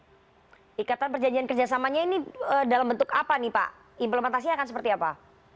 jadi ikatan perjanjian kerjasamanya ini dalam bentuk apa nih pak implementasinya akan seperti apa